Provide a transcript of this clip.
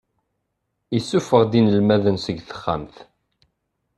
Isuffeɣ-d inelmaden seg texxamt.